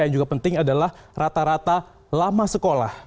yang juga penting adalah rata rata lama sekolah